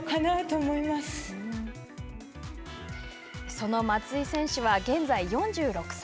その松井選手は現在４６歳。